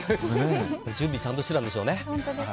準備もちゃんとしていたんでしょうね。